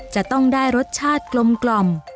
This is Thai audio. จะต้องได้รสชาติกลม